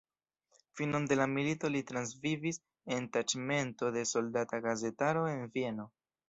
Finon de la milito li transvivis en taĉmento de soldata gazetaro en Vieno.